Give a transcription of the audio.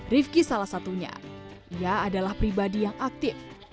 rifki salah satunya ia adalah pribadi yang aktif